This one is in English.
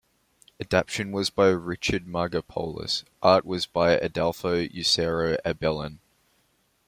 Adaptation was by Richard Margopoulos, art was by Adolpho Usero Abellan.